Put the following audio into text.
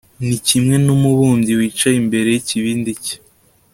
ni kimwe n'umubumbyi wicaye imbere y'ikibindi cye